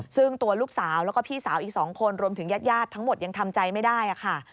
ซึ่งตัวลูกสาวแล้วก็พี่สาวอีก๒คนรวมถึงญาติทั้งหมดยังทำใจไม่ได้ค่ะ